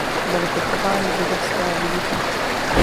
Byl vychován v židovské víře.